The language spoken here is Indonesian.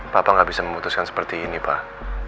papa gak bisa memutuskan seperti ini pak